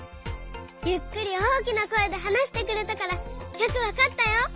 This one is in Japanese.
ゆっくり大きなこえではなしてくれたからよくわかったよ。